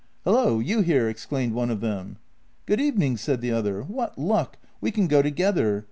" Hullo, you here! " exclaimed one of them. " Good evening," said the other. " What luck! We can go together.